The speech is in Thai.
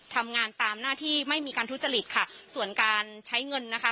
ทำงานตามหน้าที่ไม่มีการทุจริตค่ะส่วนการใช้เงินนะคะ